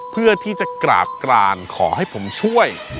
เพื่อที่จะกราบกรานขอให้ผมช่วย